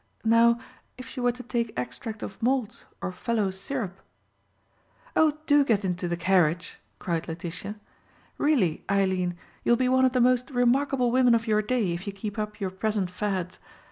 "Now, if she were to take extract of malt or Fellowes' Syrup——" "Oh, do get into the carriage," cried Letitia. "Really, Eileen, you will be one of the most remarkable women of your day if you keep up your present fads.